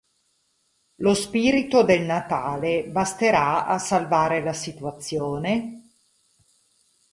Lo spirito del Natale basterà a salvare la situazione?